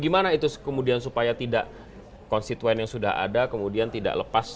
gimana itu kemudian supaya tidak konstituen yang sudah ada kemudian tidak lepas